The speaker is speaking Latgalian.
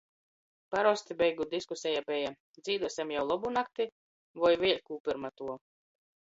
Parosti beigu diskuseja beja: "Dzīduosim jau "Lobu nakti" voi vēļ kū pyrma tuo?".